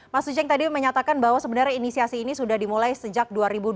mas uceng tadi menyatakan bahwa sebenarnya inisiasi ini sudah dimulai sejak dua ribu dua puluh